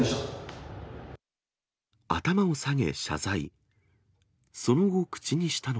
頭を下げ、謝罪。